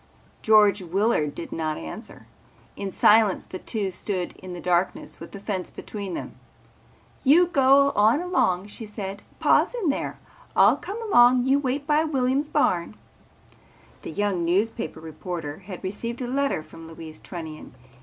George Willard did not answer. In silence the two stood in the darkness with the fence between them. "You go on along," she said. "Pa's in there. I'll come along. You wait by Williams' barn." The young newspaper reporter had received a letter from Louise Trunnion.